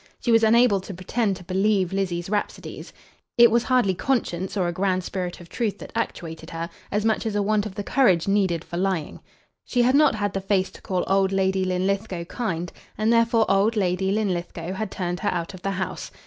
She was unable to pretend to believe Lizzie's rhapsodies. It was hardly conscience or a grand spirit of truth that actuated her, as much as a want of the courage needed for lying. She had not had the face to call old Lady Linlithgow kind, and therefore old Lady Linlithgow had turned her out of the house.